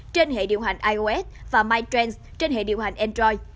trên hệ điều hành ios và mytrends trên hệ điều hành android